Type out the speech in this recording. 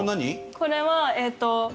これはえっと。